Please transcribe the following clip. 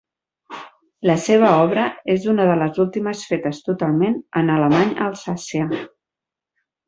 La seva obra és una de les últimes fetes totalment en alemany a Alsàcia.